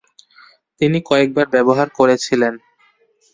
তিনি কয়েকবার ব্যবহার করেছিলেন।